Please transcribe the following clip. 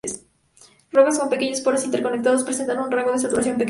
Rocas con pequeños poros interconectados presentan un rango de saturación pequeño.